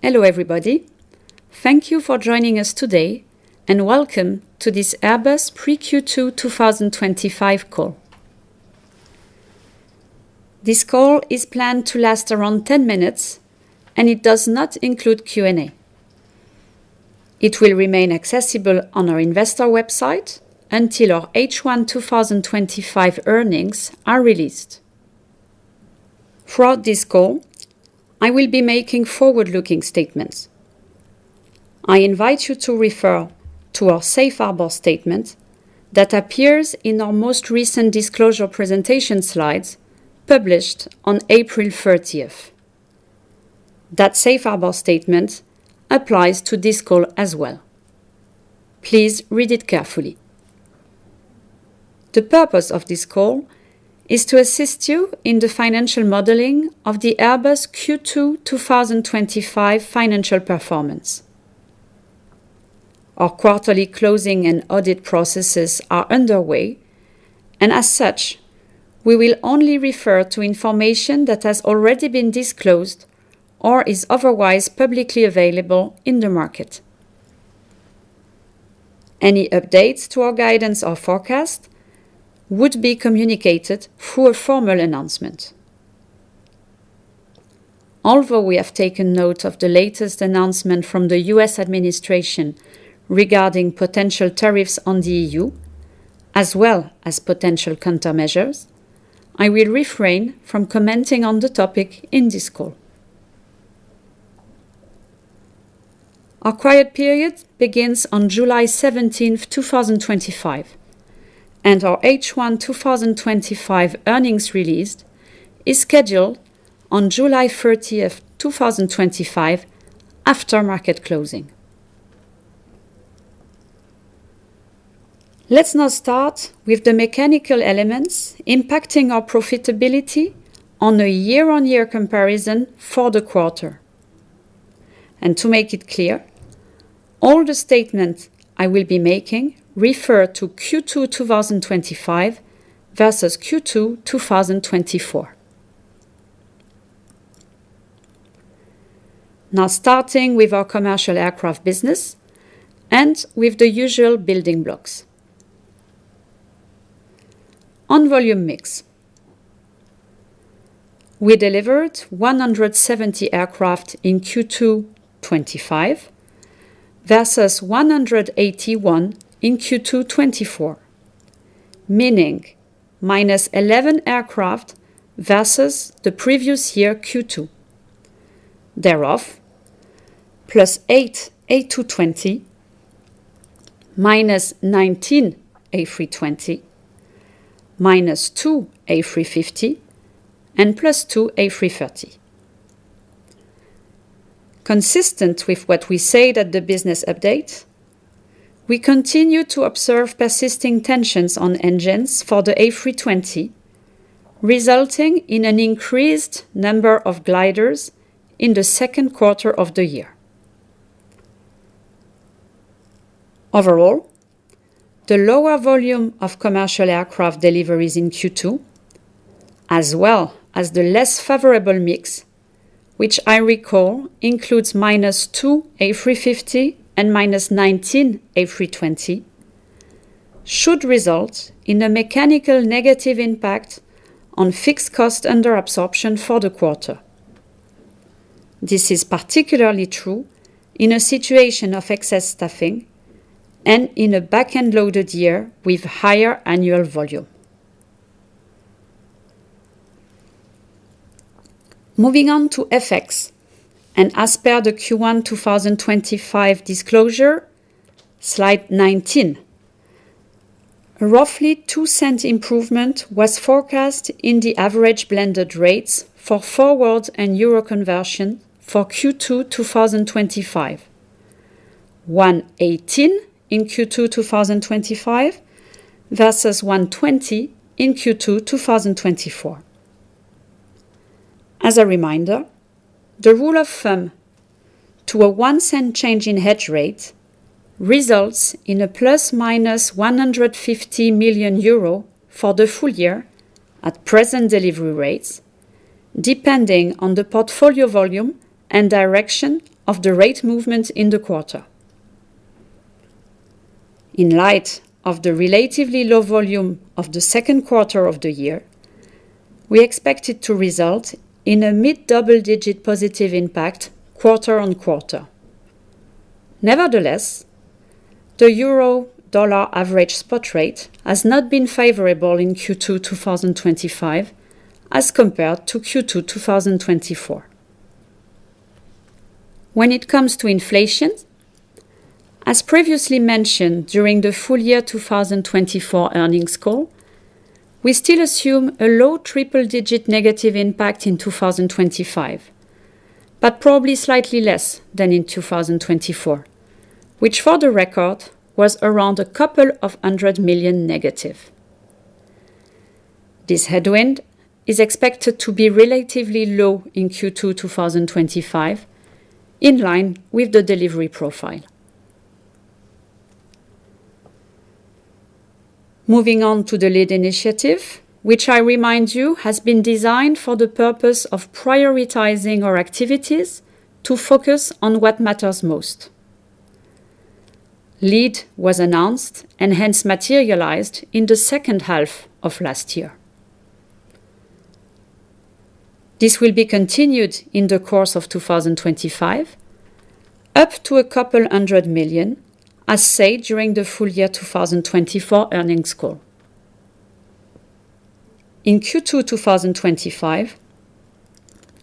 Hello everybody, thank you for joining us today, and welcome to this Airbus Pre-Q2 2025 Call. This call is planned to last around 10 minutes, and it does not include Q&A. It will remain accessible on our investor website until our H1 2025 earnings are released. Throughout this call, I will be making forward-looking statements. I invite you to refer to our safe harbor statement that appears in our most recent disclosure presentation slides published on April 30th. That safe harbor statement applies to this call as well. Please read it carefully. The purpose of this call is to assist you in the financial modeling of the Airbus Q2 2025 Financial Performance. Our quarterly closing and audit processes are underway. As such, we will only refer to information that has already been disclosed or is otherwise publicly available in the market. Any updates to our guidance or forecast. Would be communicated through a formal announcement. Although we have taken note of the latest announcement from the U.S. administration regarding potential tariffs on the EU, as well as potential countermeasures, I will refrain from commenting on the topic in this call. Our quiet period begins on July 17th, 2025. Our H1 2025 earnings release is scheduled on July 30th, 2025, after market closing. Let's now start with the mechanical elements impacting our profitability on a year-on-year comparison for the quarter. To make it clear, all the statements I will be making refer to Q2 2025 versus Q2 2024. Now starting with our commercial aircraft business, and with the usual building blocks. On volume mix, we delivered 170 aircraft in Q2 2025 versus 181 in Q2 2024, meaning -11 aircraft versus the previous year Q2. Thereof, +8 A220, -19 A320. -2 A350, and +2 A330. Consistent with what we say at the business update. We continue to observe persisting tensions on engines for the A320, resulting in an increased number of gliders in the 2nd quarter of the year. Overall, the lower volume of commercial aircraft deliveries in Q2, as well as the less favorable mix, which I recall includes -2 A350 and -19 A320, should result in a mechanical negative impact on fixed cost under absorption for the quarter. This is particularly true in a situation of excess staffing and in a back-end loaded year with higher annual volume. Moving on to FX and as per the Q1 2025 disclosure, slide 19, roughly 0.02 improvement was forecast in the average blended rates for forward and euro conversion for Q2 2025. 1.18 in Q2 2025 versus 1.20 in Q2 2024. As a reminder, the rule of thumb. To a 0.01 change in hedge rate results in a ± 150 million euro for the full year at present delivery rates, depending on the portfolio volume and direction of the rate movement in the quarter. In light of the relatively low volume of the 2nd quarter of the year, we expect it to result in a mid-double-digit positive impact quarter-on-quarter. Nevertheless, the euro-dollar average spot rate has not been favorable in Q2 2025 as compared to Q2 2024. When it comes to inflation, as previously mentioned during the full year 2024 earnings call, we still assume a low triple-digit negative impact in 2025, but probably slightly less than in 2024, which for the record was around a couple of hundred million negative. This headwind is expected to be relatively low in Q2 2025, in line with the delivery profile. Moving on to the LEED initiative, which I remind you has been designed for the purpose of prioritizing our activities to focus on what matters most. LEED was announced and hence materialized in the 2nd half of last year. This will be continued in the course of 2025. Up to a couple hundred million, as said during the full year 2024 earnings call. In Q2 2025.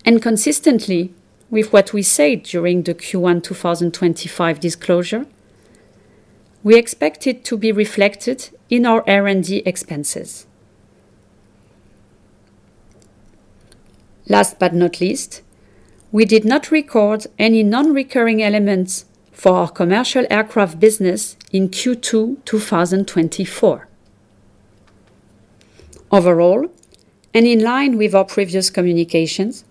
And consistently with what we said during the Q1 2025 disclosure. We expect it to be reflected in our R&D expenses. Last but not least, we did not record any non-recurring elements for our commercial aircraft business in Q2 2024. Overall, and in line with our previous communications,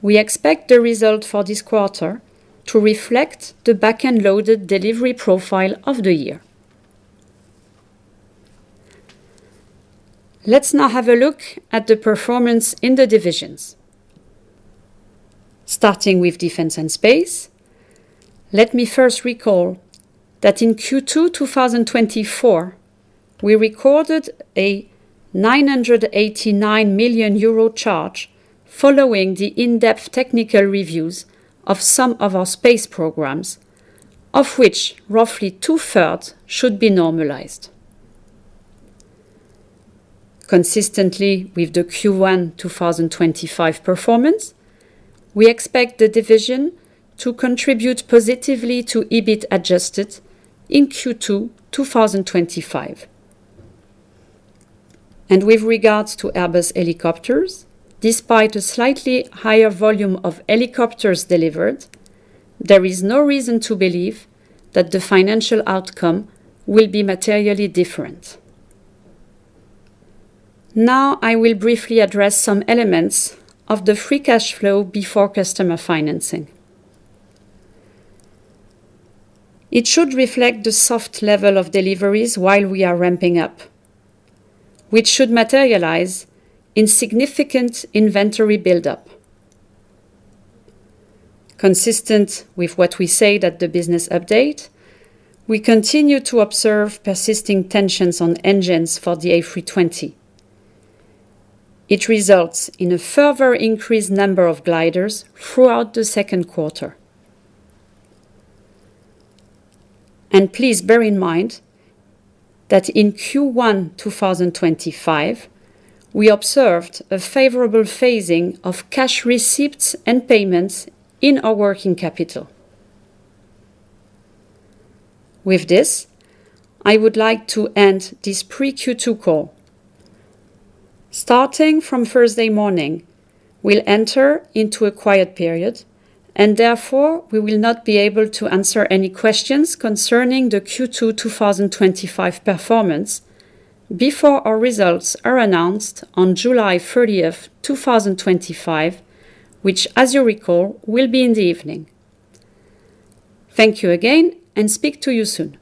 we expect the result for this quarter to reflect the back-end loaded delivery profile of the year. Let's now have a look at the performance in the divisions. Starting with Defence and Space. Let me 1st recall that in Q2 2024. We recorded a 989 million euro charge following the in-depth technical reviews of some of our space programs, of which roughly 2/3 should be normalized. Consistently with the Q1 2025 performance, we expect the division to contribute positively to EBIT adjusted in Q2 2025. With regards to Airbus helicopters, despite a slightly higher volume of helicopters delivered, there is no reason to believe that the financial outcome will be materially different. Now I will briefly address some elements of the free cash flow before customer financing. It should reflect the soft level of deliveries while we are ramping up, which should materialize in significant inventory build-up. Consistent with what we say at the business update, we continue to observe persisting tensions on engines for the A320. It results in a further increased number of gliders throughout the 2nd quarter. Please bear in mind that in Q1 2025, we observed a favorable phasing of cash receipts and payments in our working capital. With this, I would like to end this pre-Q2 call. Starting from Thursday morning, we'll enter into a quiet period and therefore we will not be able to answer any questions concerning the Q2 2025 performance before our results are announced on July 30th, 2025, which, as you recall, will be in the evening. Thank you again, and speak to you soon.